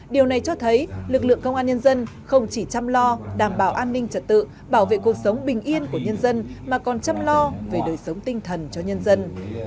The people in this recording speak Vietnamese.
điều này cho thấy lực lượng công an nhân dân không chỉ chăm lo đảm bảo an ninh trật tự bảo vệ cuộc sống bình yên của nhân dân mà còn chăm lo về đời sống tinh thần cho nhân dân